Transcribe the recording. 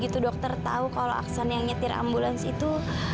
dokter tahu kalau aksan yang nyetir ambulans itu